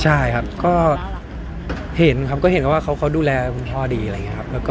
ใช่ครับก็เห็นครับก็เห็นกันว่าเขาดูแลคุณพ่อดีอะไรอย่างนี้ครับ